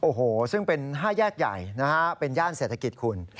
โอ้โหซึ่งเป็น๕แยกใหญ่นะฮะเป็นย่านเศรษฐกิจคุณ